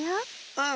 うん！